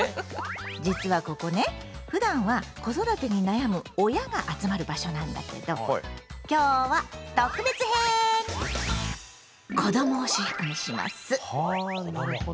実はここねふだんは子育てに悩む親が集まる場所なんだけど今日は特別編！はあなるほど。